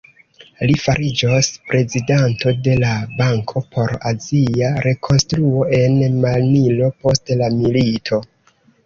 Li fariĝos prezidanto de la Banko por Azia Rekonstruo en Manilo post la milito.